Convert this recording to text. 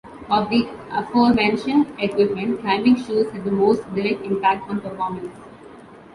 Of the aforementioned equipment, climbing shoes have the most direct impact on performance.